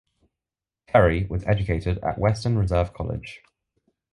Terry was educated at Western Reserve College.